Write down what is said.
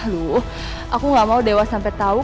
loh aku gak mau dewa sampe tau